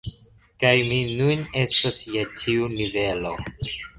Kaj mi nun estas je tiu nivelo